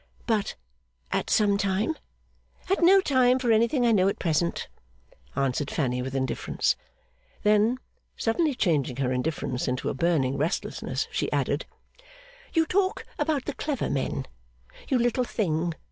'But at some time?' 'At no time, for anything I know at present,' answered Fanny, with indifference. Then, suddenly changing her indifference into a burning restlessness, she added, 'You talk about the clever men, you little thing!